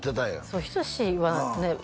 そう仁はね